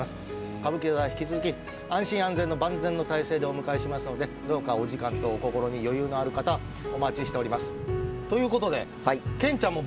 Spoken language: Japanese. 歌舞伎座は引き続き安心安全の万全の体制でお迎えしますのでどうかお時間とお心に余裕のある方お待ちしておりますということで健ちゃんも舞台が？